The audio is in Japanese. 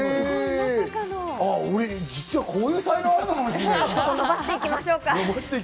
俺、実はこういう才能あるのかもしれないわ。